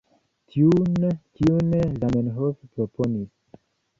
Tiun, kiun Zamenhof proponis.